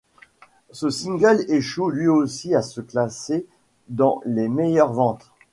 Ce single échoue lui aussi à se classer dans les meilleures ventes.